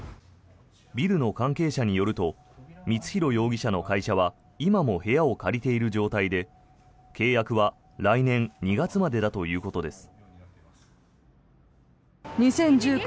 ビルの関係者によると光弘容疑者の会社は今も部屋を借りている状態で契約は来年２月までだということです。